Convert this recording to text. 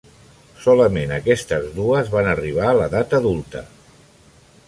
Solament aquestes dues van arribar a l'edat adulta.